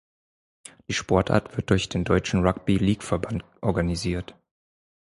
Die Sportart wird durch den Deutschen Rugby-League-Verband organisiert.